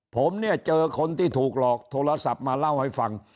ผมเนี่ยเจอคนที่ถูกหลอกโทรศัพท์มาเล่าให้ฟัง